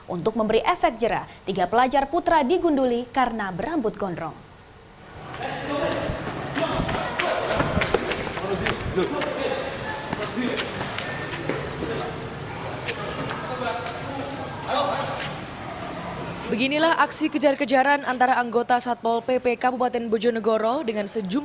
untuk memberi efek jerah tiga pelajar putra digunduli karena berambut gondrong